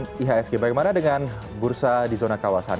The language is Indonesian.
itu tadi rupiah dan ihsg bagaimana dengan bursa di zona kawasan